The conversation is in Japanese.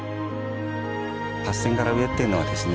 ８，０００から上っていうのはですね